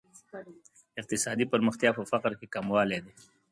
اقتصادي پرمختیا په فقر کې کموالی دی.